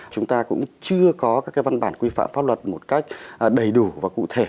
chúng ta cũng chưa có các văn bản quy phạm pháp luật một cách đầy đủ và cụ thể